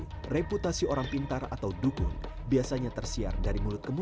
tapi reputasi orang pintar atau dukun biasanya tersiar dari mulut ke mulut